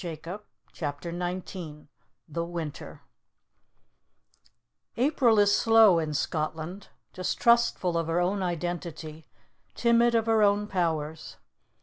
BOOK III CHAPTER XIX THE WINTER APRIL is slow in Scotland, distrustful of her own identity, timid of her own powers.